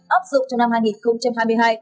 áp dụng cho năm hai nghìn hai mươi hai